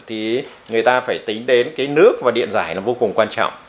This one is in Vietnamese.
thì người ta phải tính đến cái nước và điện giải là vô cùng quan trọng